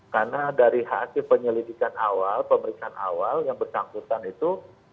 karena dari hasil penyelidikan awal pemeriksaan awal yang bersangkutan itu